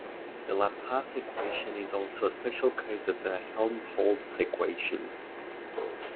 The Laplace equation is also a special case of the Helmholtz equation.